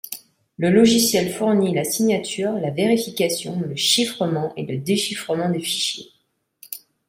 Le logiciel fournit la signature, la vérification, le chiffrement et le déchiffrement de fichiers.